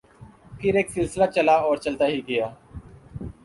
پھر ایک سلسلہ چلا اور چلتا ہی گیا۔